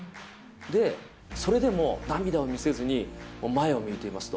で、それでも涙を見せずに、前を向いていますと。